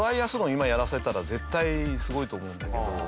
今やらせたら絶対すごいと思うんだけど。